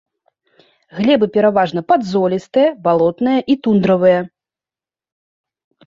Глебы пераважна падзолістыя, балотныя і тундравыя.